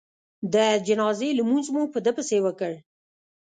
د جنازې لمونځ مو په ده پسې وکړ.